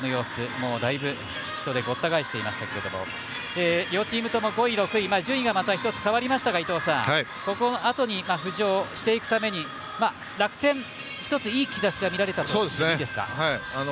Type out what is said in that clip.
もう、だいぶ人でごった返していましたけど両チームとも５位、６位、順位が一つ変わりましたが、今後浮上していくために楽天一ついい兆しが見られたということでいいですか。